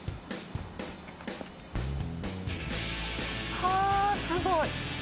はあすごい！